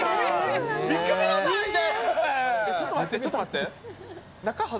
見くびらないで！